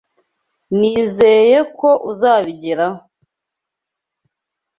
Nizeye ko uzabigeraho.